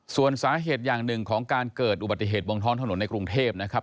ส่วนสาเหตุอย่างหนึ่งของการเกิดอุบัติเหตุบนท้องถนนในกรุงเทพนะครับ